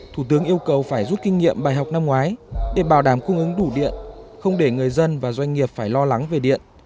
thủ tướng yêu cầu phải rút kinh nghiệm bài học năm ngoái để bảo đảm cung ứng đủ điện không để người dân và doanh nghiệp phải lo lắng về điện